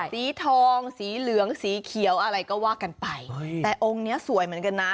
สีทองสีเหลืองสีเขียวอะไรก็ว่ากันไปแต่องค์เนี้ยสวยเหมือนกันนะ